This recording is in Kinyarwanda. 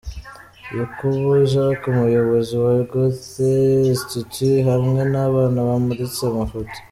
Yakubu Jack, Umuyobozi Wa Goethe Institute, hamwe n’abana bamuritse amafoto.